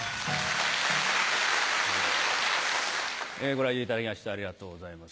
ご来場いただきましてありがとうございます。